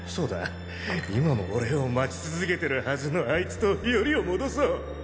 今も俺を待ち続けてるはずのあいつとヨリを戻そう！